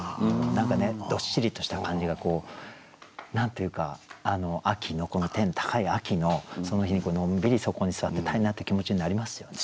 何かねどっしりとした感じが何て言うか秋のこの天高い秋のその日にのんびりそこに座ってたいなって気持ちになりますよね。